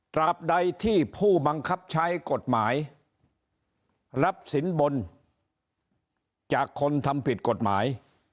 บใดที่ผู้บังคับใช้กฎหมายรับสินบนจากคนทำผิดกฎหมาย